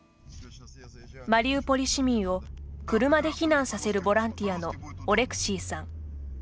マリウポリ市民を車で避難させるボランティアのオレクシーさん。